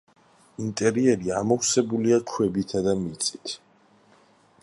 ინტერიერი ამოვსებულია ქვებითა და მიწით.